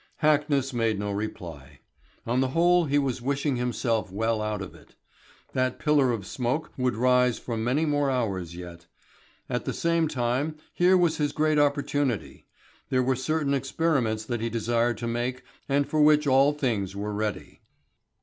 Hackness made no reply. On the whole he was wishing himself well out of it. That pillar of smoke would rise for many more hours yet. At the same time here was his great opportunity. There were certain experiments that he desired to make and for which all things were ready.